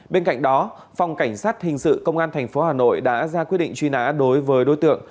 bên cạnh đó phòng cảnh sát hình sự công an tp hà nội đã ra quyết định truy nã đối với đối tượng